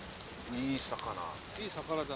いい魚だ。